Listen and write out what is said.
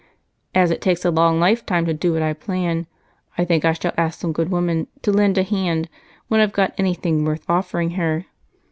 "As it takes a long lifetime to do what I plan, I think I shall ask some good woman 'to lend a hand' when I've got anything worth offering her.